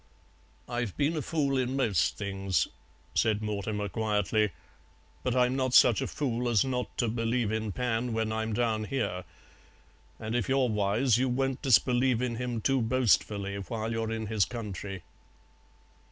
"I've been a fool in most things," said Mortimer quietly, "but I'm not such a fool as not to believe in Pan when I'm down here. And if you're wise you won't disbelieve in him too boastfully while you're in his country."